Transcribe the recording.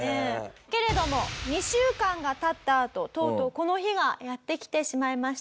けれども２週間が経ったあととうとうこの日がやって来てしまいました。